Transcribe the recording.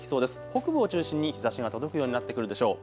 北部を中心に日ざしが届くようになってくるでしょう。